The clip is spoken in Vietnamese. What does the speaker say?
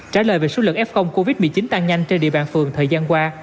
trả lời về số lượng f covid một mươi chín tăng nhanh trên địa bàn phường thời gian qua